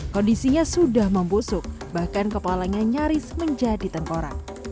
kondisinya sudah membusuk bahkan kepalanya nyaris menjadi tengkorak